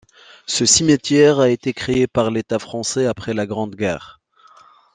Ce cimetière a été créé par l'État français après la Grande Guerre.